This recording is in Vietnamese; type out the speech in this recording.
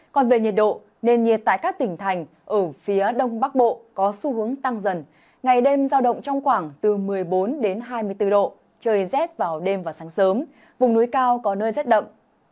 còn về nhiệt độ nền nhiệt tại các tỉnh thành ở phía đông bắc bộ có xu hướng tăng dần ngày đêm giao động trong khoảng từ một mươi bốn đến hai mươi bốn độ trời rét vào đêm và sáng sớm vùng núi cao có nơi rét đậm